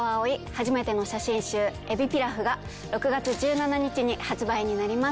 初めての写真集『Ｅｂｉｐｉｌａｆ』が６月１７日に発売になります。